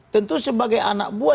tentu sebagai anak buah